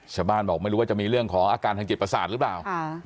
ชาวบ้านบอกไม่รู้ว่าจะมีเรื่องของอาการทางจิตประสาทหรือเปล่า